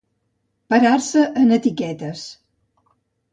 Parar-se en etiquetes.